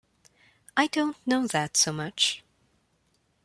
I don't know that so much.